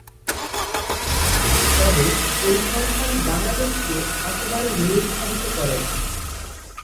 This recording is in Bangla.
তবে পরিসংখ্যান বাংলাদেশকে একেবারে নিরুৎসাহিত করে না।